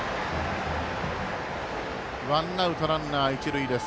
ワンアウト、ランナー、一塁です。